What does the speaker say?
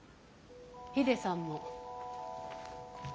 ヒデさんも。